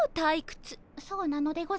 そうなのでございますか？